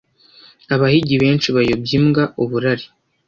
Abahigi benshi bayobya imbwa (uburari).